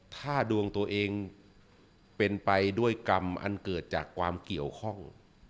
ถ้าดวงตัวเองเป็นไปด้วยกรรมอันเกิดจากความเกี่ยวข้อง